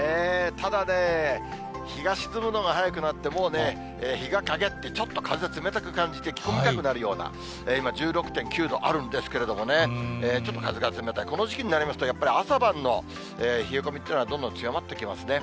ただね、日が沈むのが早くなって、もうね、日がかげって、ちょっと風、冷たく感じて、着込みたくなるような、今、１６．９度あるんですけどもね、ちょっと風が冷たい、この時期になりますとやっぱり朝晩の冷え込みというのは、どんどん強まってきますね。